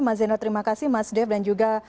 mas zeno terima kasih mas dev dan juga